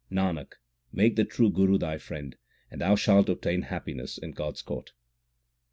Nanak, make the true Guru thy friend, and thou shalt obtain happiness 2 in God s court.